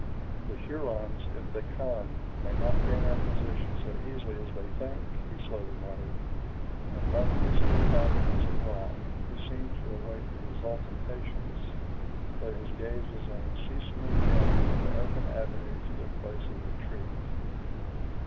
"The Hurons, if they come, may not gain our position so easily as they think," he slowly muttered; and propping his head back against the rock, he seemed to await the result in patience, though his gaze was unceasingly bent on the open avenue to their place of retreat.